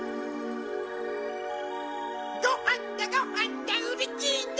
ごはんだごはんだうれしいな！